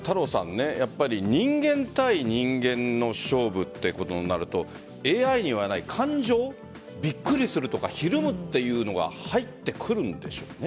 人間対人間の勝負ってことになるとＡＩにはない感情びっくりするとかひるむというのが入ってくるんでしょうか？